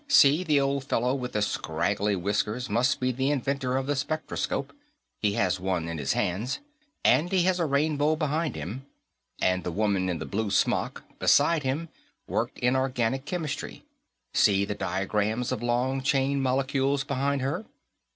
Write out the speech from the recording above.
See, the old fellow with the scraggly whiskers must be the inventor of the spectroscope; he has one in his hands, and he has a rainbow behind him. And the woman in the blue smock, beside him, worked in organic chemistry; see the diagrams of long chain molecules behind her.